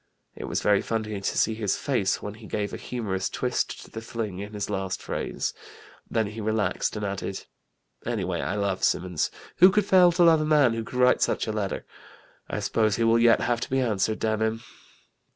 It was very funny to see his face when he gave a humorous twist to the fling in his last phrase. Then he relaxed and added: 'Anyway I love Symonds. Who could fail to love a man who could write such a letter? I suppose he will yet have to be answered, damn 'im!'"